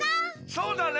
そうだね。